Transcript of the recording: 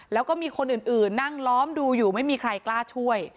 แล้วก็มีคนอื่นนั่งล้อมดูอยู่ไม่มีใครกล้าช่วย